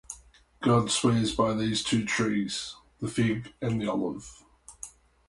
God swears by these two trees, the fig and the olive.